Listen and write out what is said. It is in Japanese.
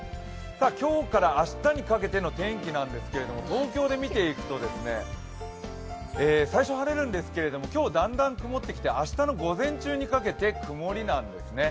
今日から明日にかけての天気なんですけれども、東京で見ていくと、最初は晴れるんですけども、今日、だんだん曇ってきて、明日の午前中にかけて曇りなんですよね。